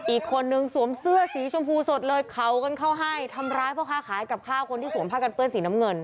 อีกคนนึงสวมเสื้อสีชมพูสดเลยเขากันเข้าให้ทำร้ายพ่อค้าขายกับข้าวคนที่สวมผ้ากันเปื้อนสีน้ำเงิน